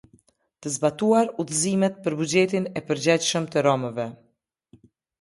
Të zbatuar Udhëzimet për Buxhetin e Përgjegjshëm të Romëve.